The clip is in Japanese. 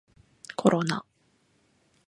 コロナ